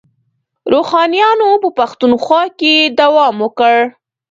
روښانیانو په پښتونخوا کې دوام وکړ.